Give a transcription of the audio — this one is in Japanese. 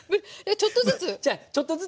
ちょっとずつ。